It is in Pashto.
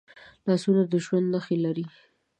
لاسونه د ژوند نښې لري